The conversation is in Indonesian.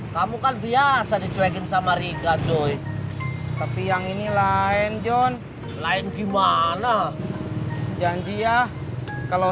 kamu kan biasa dicuekin sama riga joy tapi yang ini lain john lain gimana janji ya kalau